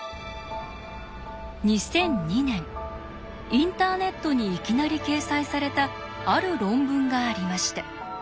インターネットにいきなり掲載されたある論文がありました。